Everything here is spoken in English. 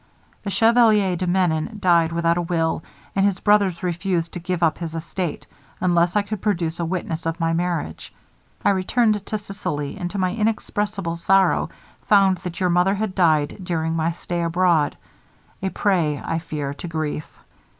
The Chevalier de Menon died without a will, and his brothers refused to give up his estate, unless I could produce a witness of my marriage. I returned to Sicily, and, to my inexpressible sorrow, found that your mother had died during my stay abroad, a prey, I fear, to grief.